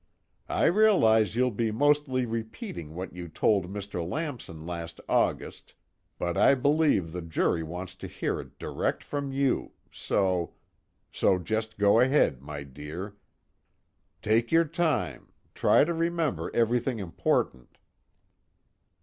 I realize you'll be mostly repeating what you told Mr. Lamson last August, but I believe the jury wants to hear it direct from you, so so just go ahead, my dear take your time, try to remember everything important."